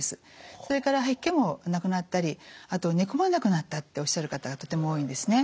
それから吐き気もなくなったりあと寝込まなくなったっておっしゃる方がとても多いんですね。